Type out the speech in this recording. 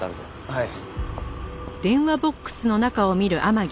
はい。